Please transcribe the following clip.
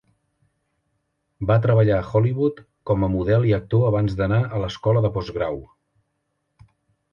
Va treballar a Hollywood com a model i actor abans d'anar a l'escola de postgrau.